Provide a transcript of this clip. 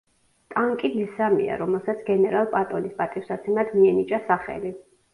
ტანკი მესამეა რომელსაც გენერალ პატონის პატივსაცემად მიენიჭა სახელი.